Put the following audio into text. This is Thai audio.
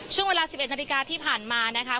ช่วงเวลา๑๑นาฬิกาที่ผ่านมานะคะ